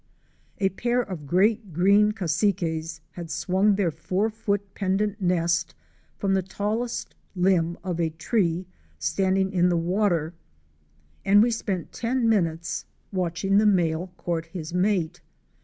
A pair of Great Green Cassiques had swung their four foot pendent nest from the tallest limb of a tree standing in the water, and we spent ten minutes watching the male 202 OUR SEARCH FOR A WILDERNESS. court his mate.